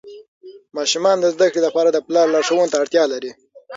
ماشومان د زده کړې لپاره د پلار لارښوونو ته اړتیا لري.